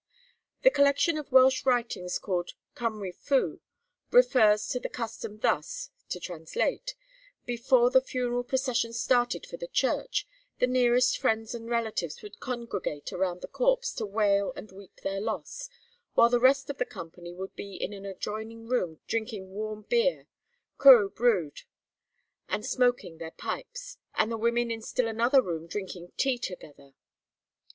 The collection of Welsh writings called 'Cymru Fu' refers to the custom thus, (to translate:) 'Before the funeral procession started for the church, the nearest friends and relatives would congregate around the corpse to wail and weep their loss; while the rest of the company would be in an adjoining room drinking warm beer (cwrw brwd) and smoking their pipes; and the women in still another room drinking tea together.'